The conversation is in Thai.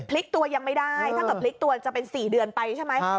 ตัวยังไม่ได้ถ้าเกิดพลิกตัวจะเป็น๔เดือนไปใช่ไหม